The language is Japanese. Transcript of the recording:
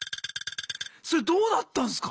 それどうなったんすか？